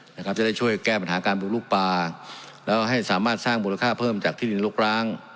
นะครับจะได้ช่วยแก้ปัญหาการปลูกลูกปลาแล้วให้สามารถสร้างมูลค่าเพิ่มจากที่ดินรกร้าง